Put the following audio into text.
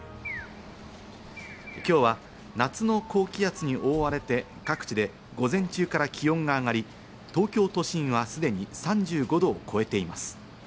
今日は夏の高気圧に覆われて各地で午前中から気温が上がり、東京都心はすでに３５度を超えています。